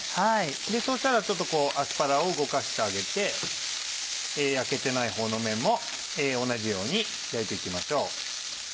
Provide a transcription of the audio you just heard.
そしたらちょっとアスパラを動かしてあげて焼けてないほうの面も同じように焼いて行きましょう。